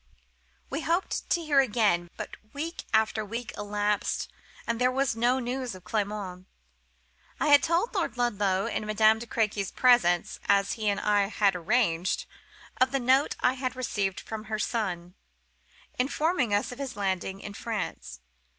We hoped to hear again; but week after week elapsed, and there was no news of Clement. I had told Lord Ludlow, in Madame de Crequy's presence, as he and I had arranged, of the note I had received from her son, informing us of his landing in France.